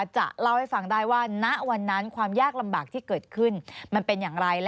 จะเล่าให้ฟังได้ว่าณวันนั้นความยากลำบากที่เกิดขึ้นมันเป็นอย่างไร